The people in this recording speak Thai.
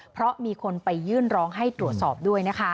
เพราะมีคนไปยื่นร้องให้ตรวจสอบด้วยนะคะ